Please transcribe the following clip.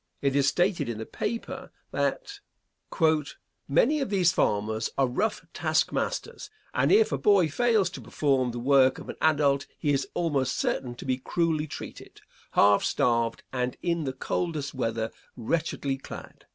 It is stated in the paper, that: "Many of these farmers are rough task masters, and if a boy fails to perform the work of an adult, he is almost certain to be cruelly treated, half starved, and in the coldest weather wretchedly clad.